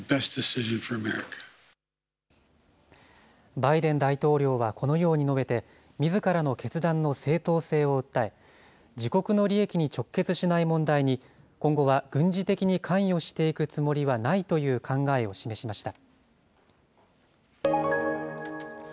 バイデン大統領はこのように述べて、みずからの決断の正当性を訴え、自国の利益に直結しない問題に、今後は軍事的に関与していくつもりはないという考えを示しました。